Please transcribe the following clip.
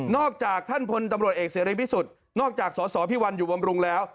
อกจากท่านพลตำรวจเอกเสรีพิสุทธิ์นอกจากสสพิวัลอยู่บำรุงแล้ว